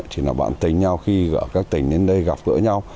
thì là bạn tình nhau khi các tình đến đây gặp gỡ nhau